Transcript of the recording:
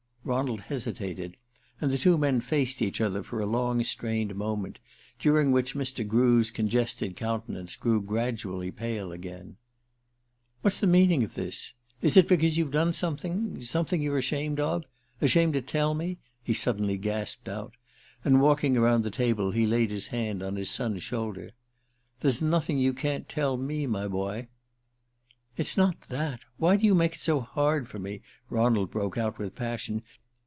Ronald hesitated, and the two men faced each other for a long strained moment, during which Mr. Grew's congested countenance grew gradually pale again. "What's the meaning of this? Is it because you've done something ... something you're ashamed of ... ashamed to tell me?" he suddenly gasped out; and walking around the table he laid his hand on his son's shoulder. "There's nothing you can't tell me, my boy." "It's not that. Why do you make it so hard for me?" Ronald broke out with passion.